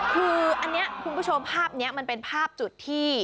คืออันนี้คุณผู้ชมภาพนี้มันเป็นภาพจุดที่